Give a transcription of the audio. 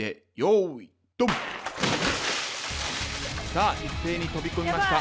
さあ一斉に飛び込みました。